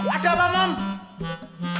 ada apa mam